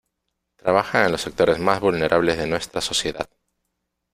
Trabaja en los sectores más vulnerables de nuestra sociedad.